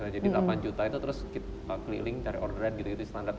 jadi delapan juta itu terus kita keliling cari orderan gitu gitu standar